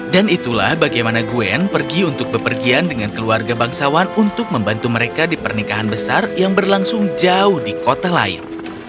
dan itulah bagaimana gwen pergi untuk bepergian dengan keluarga bangsawan untuk membantu mereka di pernikahan besar yang berlangsung jauh di kota lain